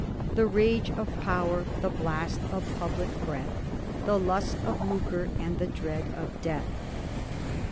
The rage of power, the blast of public breath, The lust of lucre, and the dread of death.